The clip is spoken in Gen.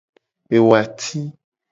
Ewati.